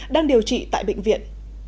đang điều trị tại bệnh viện